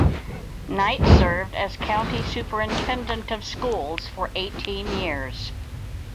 Knight served as County Superintendent of Schools for eighteen years.